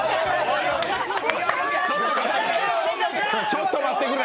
ちょっと待ってくれ。